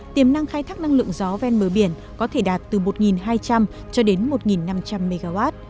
tiềm năng khai thác năng lượng gió ven bờ biển có thể đạt từ một hai trăm linh cho đến một năm trăm linh mw